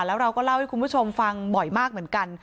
แล้วเราก็เล่าให้คุณผู้ชมฟังบ่อยมากเหมือนกัน